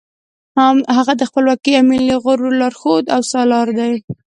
هغه د خپلواکۍ او ملي غرور لارښود او سالار دی.